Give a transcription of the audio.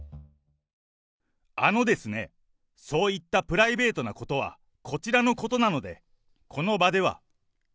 あのですね、そういったプライベートなことは、こちらのことなので、この場では。